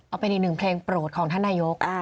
เอาเป็นอีกหนึ่งเพลงโปรดของท่านนายก